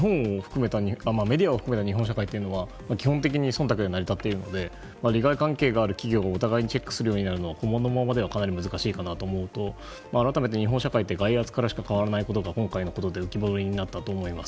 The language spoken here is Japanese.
メディアを含めた日本社会というのは基本的に忖度で成り立っているので利害関係がある企業をお互いにチェックするようになるのはこのままでは極めて難しいと思うので改めて日本社会って外圧からしか変わらないことが今回のことで浮き彫りになったと思います。